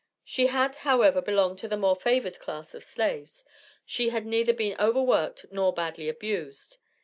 She had, however, belonged to the more favored class of slaves. She had neither been over worked nor badly abused.